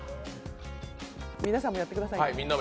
皆さんもやってくださいね。